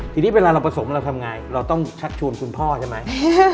ทีนี้เวลาเราผสมเราทำไงเราต้องชักชวนคุณพ่อใช่ไหม